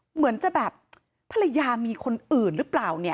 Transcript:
เหมือนจะแบบภรรยามีคนอื่นหรือเปล่าเนี่ย